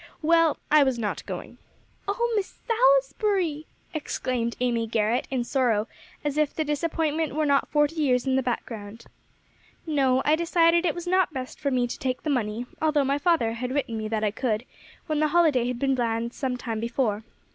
"Well, I was not going." "Oh Miss Salisbury!" exclaimed Amy Garrett in sorrow, as if the disappointment were not forty years in the background. "No. I decided it was not best for me to take the money, although my father had written me that I could, when the holiday had been planned some time before.